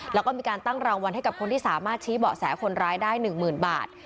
แล้วก็มีการตั้งรางวัลให้กับคนที่สามารถชี้เบาะแสคนร้ายได้๑๐๐๐บาท